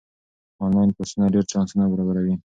آنلاین کورسونه ډېر چانسونه برابروي.